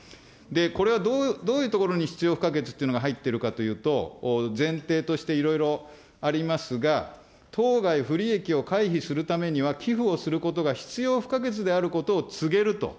これはどういうところに必要不可欠っていうのが入ってるかというと、前提としていろいろありますが、当該不利益を回避するためには寄付をすることが必要不可欠であることを告げると。